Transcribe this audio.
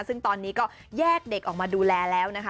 ซึ่งตอนนี้ก็แยกเด็กออกมาดูแลแล้วนะคะ